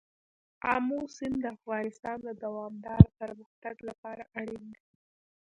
آمو سیند د افغانستان د دوامداره پرمختګ لپاره اړین دی.